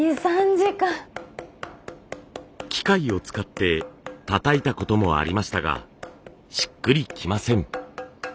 機械を使ってたたいたこともありましたがしっくりきません。